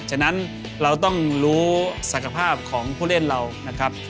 ฉะนั้นเราต้องรู้ศักยภาพของผู้เล่นเรานะครับ